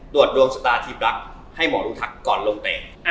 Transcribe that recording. ตรวจดวงสตาทีปรักษณ์ให้หมอรุทักก่อนลงเตรียม